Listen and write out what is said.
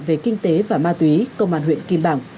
về kinh tế và ma túy công an huyện kim bảng